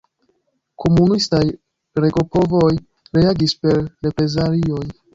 Komunistaj regopovoj reagis per reprezalioj.